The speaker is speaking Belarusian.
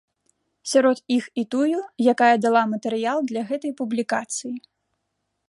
Сярод іх і тую, якая дала матэрыял для гэтай публікацыі.